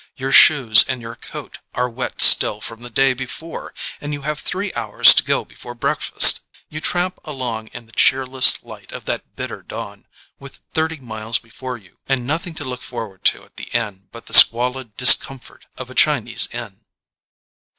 Your shoes and your coat are wet still from the day before and you have three hours to go before breakfast. You tramp along in the cheerless light of that bitter dawn, with thirty miles before you and nothing to look forward to at the end but the squalid discom fort of a Chinese inn.